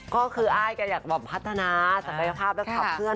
ก็คืออ้ายแกอยากพัฒนาศักยภาพและขับเคลื่อ